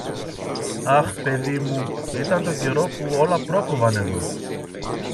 Αχ, παιδί μου, ήταν τον καιρό που όλα πρόκοβαν εδώ!